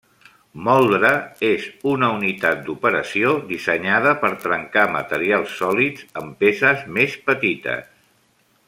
Moldre és una unitat d'operació dissenyada per trencar materials sòlids en peces més petites.